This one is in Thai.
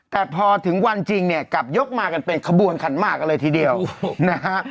แต่พอถึงวันจริงเนี่ยกลับยกมากันเป็นขบวนขันหมากกันเลยทีเดียวนะฮะ